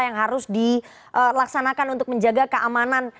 yang harus dilaksanakan untuk menjaga keamanan